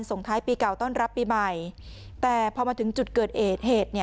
ส่งท้ายปีเก่าต้อนรับปีใหม่แต่พอมาถึงจุดเกิดเหตุเหตุ